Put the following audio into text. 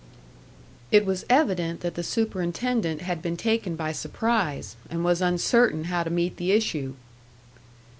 It was evident that the superintendent had been taken by surprise, and was uncertain how to meet the issue.